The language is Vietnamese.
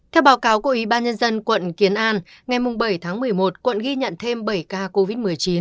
theo báo cáo của ubnd quận kiến an ngày bảy một mươi một quận ghi nhận thêm bảy ca covid một mươi chín